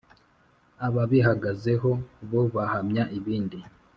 ababihagazeho bo bahamya ibindi.